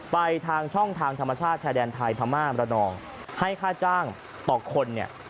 ไปทางช่องทางธรรมชาติชายแดนไทยพม่ามระนองให้ค่าจ้างต่อคนเนี่ย